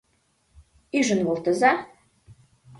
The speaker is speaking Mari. — Ӱжын волтыза!..